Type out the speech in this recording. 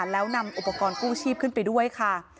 แล้วนำอุปกรณ์กู้ชีพขึ้นไปด้วยค่ะ